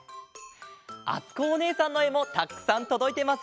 あつこおねえさんのえもたくさんとどいてますよ！